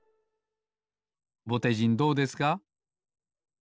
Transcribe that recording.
ぼてじんどうですか？